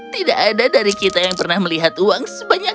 tidak ada dari kita yang pernah melihat uang sebanyak